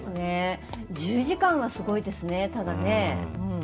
１０時間はすごいですね、ただ。